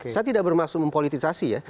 saya tidak bermaksud mempolitisasi ya